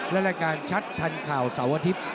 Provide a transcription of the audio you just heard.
และรายการชัดทันข่าวเสาร์อาทิตย์